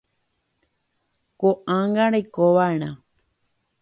Ko'ág̃a reikova'erã.